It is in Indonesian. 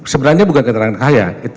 sebenarnya bukan keterangan kaya